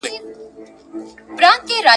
د هغه له ملاتړ څخه لاس اخلم ,